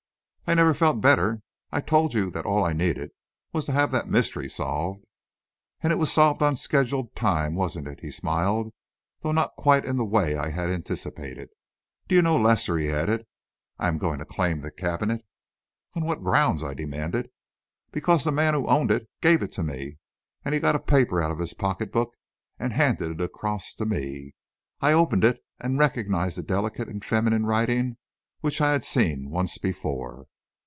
"I never felt better. I told you that all I needed was to have that mystery solved." "And it was solved on schedule time, wasn't it," he smiled; "though not quite in the way I had anticipated. Do you know, Lester," he added, "I am going to claim that cabinet." "On what grounds?" I demanded. "Because the man who owned it gave it to me," and he got a paper out of his pocket book and handed it across to me. I opened it and recognised the delicate and feminine writing which I had seen once before.